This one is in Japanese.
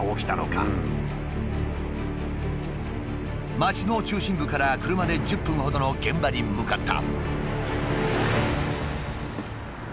町の中心部から車で１０分ほどの現場に向かった。